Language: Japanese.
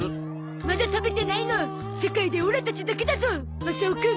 まだ食べてないの世界でオラたちだけだゾマサオくん！